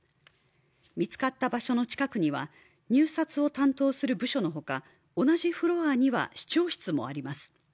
見つかった場所の近くには入札を担当する部署のほか、同じフロアには市長室もあります。